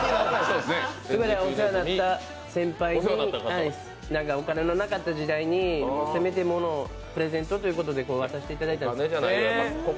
お世話になった先輩にお金のなかった時代にせめてものプレゼントということで渡していただいたんです。